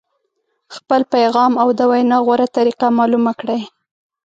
خپل پیغام او د وینا غوره طریقه معلومه کړئ.